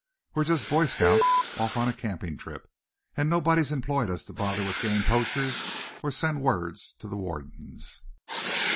We're just Boy Scouts off on a camping trip; and nobody's employed us to bother with game poachers, or send word to the wardens."